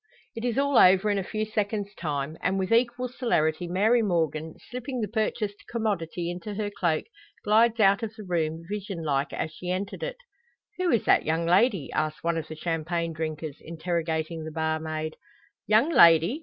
It is all over in a few seconds' time; and with equal celerity Mary Morgan, slipping the purchased commodity into her cloak, glides out of the room vision like as she entered it. "Who is that young lady?" asks one of the champagne drinkers, interrogating the barmaid. "Young lady!"